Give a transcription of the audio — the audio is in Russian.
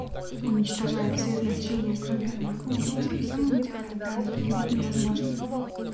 Уничтожая все значения, кроме одного, мы тем самым делаем данный предмет невозможным.